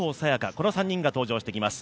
この３人が登場してきます。